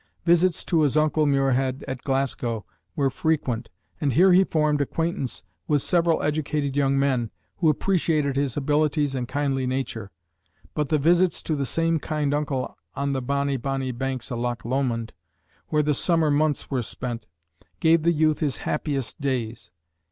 Visits to his uncle Muirhead at Glasgow were frequent, and here he formed acquaintance with several educated young men, who appreciated his abilities and kindly nature; but the visits to the same kind uncle "on the bonnie, bonnie banks o' Loch Lomond," where the summer months were spent, gave the youth his happiest days.